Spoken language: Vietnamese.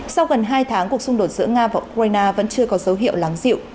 sau gần hai tháng cuộc xung đột giữa nga và ukraine vẫn chưa có dấu hiệu lắng dịu